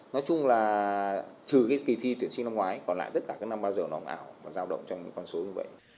nói chung là trừ kỳ thi tuyển sinh năm ngoái còn lại tất cả năm bao giờ nó không ảo và giao động cho những con số như vậy